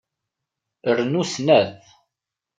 Rnu snat.